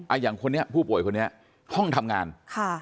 อย่างคนนี้ผู้ป่วยคนนี้ห้องทำงานค่ะ